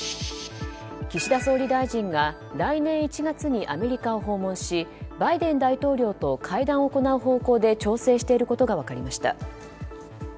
岸田総理大臣が来年１月にアメリカを訪問しバイデン大統領と会談を行う方向で調整していることが分かりました。